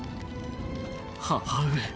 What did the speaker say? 母上。